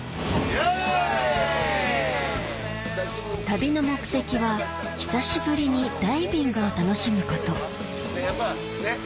旅の目的は久しぶりにダイビングを楽しむことやっぱねっ。